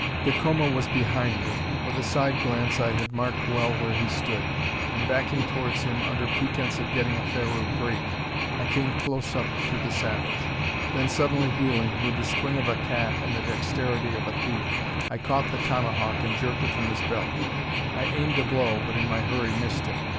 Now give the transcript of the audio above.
Dacoma was behind me. With a side glance I had marked well where he stood; and backing towards him, under pretence of getting a fairer "break," I came close up to the savage. Then suddenly wheeling, with the spring of a cat and the dexterity of a thief, I caught the tomahawk and jerked it from his belt. I aimed a blow, but in my hurry missed him.